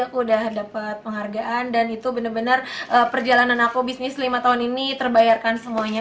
aku udah dapat penghargaan dan itu benar benar perjalanan aku bisnis lima tahun ini terbayarkan semuanya